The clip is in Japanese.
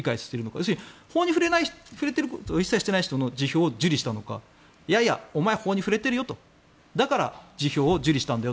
要するに法に触れることを一切していない人の辞表を受理したのかいやいや、お前法に触れているよとだから辞表を受理したのか。